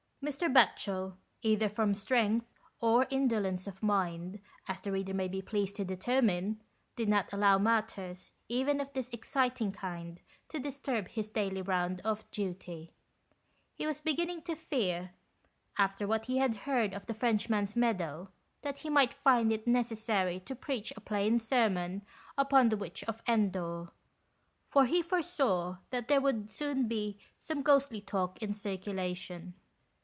Mr. Batchel, either from strength or indolence of mind, as the reader may be pleased to determine, did not allow matters even of this exciting kind, to disturb his daily round of duty. He was beginning to fear, after what he had heard of the Frenchman's Meadow, that he 42 THE KICHPINS. might find it necessary to preach a plain sermon upon the Witch of Endor, for he foresaw that there would soon be some ghostly talk in circulation.